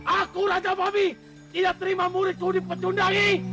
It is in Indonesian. aku raja babi tidak terima muridku dipecundangi